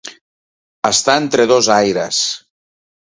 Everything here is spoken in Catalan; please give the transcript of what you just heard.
Estar entre dos aires.